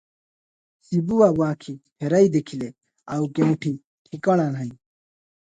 ଶିବୁ ବାବୁ ଆଖି ଫେରାଇ ଦେଖିଲେ, ଆଉ କେଉଁଠି ଠିକଣା ନାହିଁ ।